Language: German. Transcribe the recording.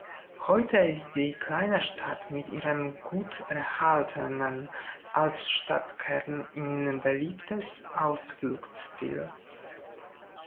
Heute ist die kleine Stadt mit ihrem gut erhaltenen Altstadtkern ein beliebtes Ausflugsziel.